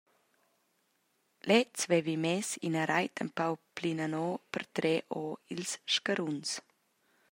Lez vevi mess ina reit empau plinano per trer ora ils scaruns.